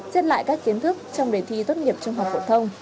xếp lại các kiến thức trong đề thi tốt nghiệp trung học phổ thông